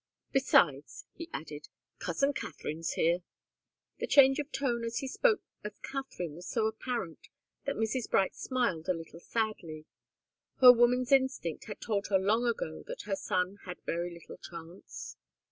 Besides," he added, "cousin Katharine's here." The change of tone as he spoke of Katharine was so apparent that Mrs. Bright smiled a little sadly. Her woman's instinct had told her long ago that her son had very little chance.